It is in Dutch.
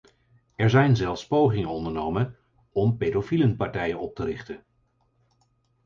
Er zijn zelfs pogingen ondernomen om pedofielenpartijen op te richten.